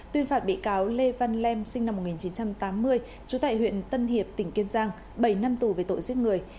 tuyên phạt bị cáo lê văn lm sinh năm một nghìn chín trăm tám mươi trú tại huyện tân hiệp tỉnh kiên giang bảy năm tù về tội giết người